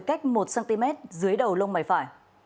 cách một cm dưới đầu lông mảy phải